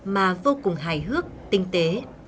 mà vô cùng hài hước tinh tế